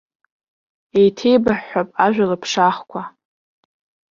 Еиҭеибаҳҳәап ажәа лыԥшаахқәа.